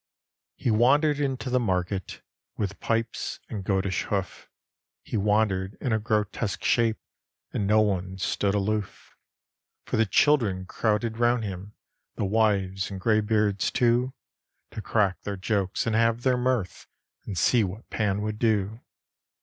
He wandered into the market With pipes and goatish hoof; He wandered in a grotesque shape, And no one stood aloof. For the children crowded round him, The wives and greybeards, too, To crack their jokes and have their mirth, And see what Pan would do.